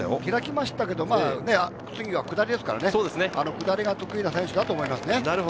開きましたけど、次が下りですから、下りが得意な選手だと思います。